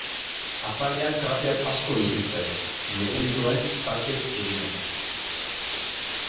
Azalean krater asko dituzte, meteoritoen talkek eginak.